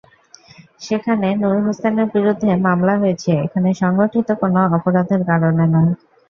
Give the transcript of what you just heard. সেখানে নূর হোসেনের বিরুদ্ধে মামলা হয়েছে এখানে সংঘটিত কোনো অপরাধের কারণে নয়।